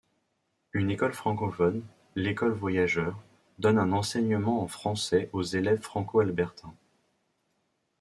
Une école francophone, l'École Voyageur, donne un enseignement en français aux élèves franco-albertains.